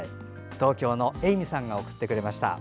東京のＡｍｙさんが送ってくれました。